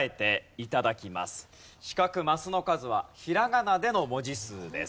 四角マスの数はひらがなでの文字数です。